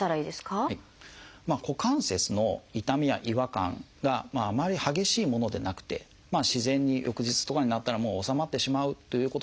股関節の痛みや違和感があまり激しいものでなくて自然に翌日とかになったら治まってしまうということであってもですね